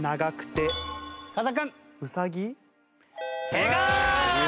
正解！